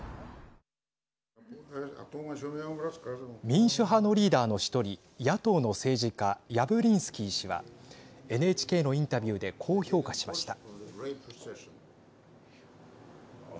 民主派のリーダーの１人野党の政治家ヤブリンスキー氏はＮＨＫのインタビューでこう評価しました。